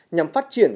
nhằm phát triển